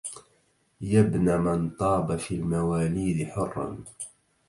يا ابن من طاب في المواليد حرا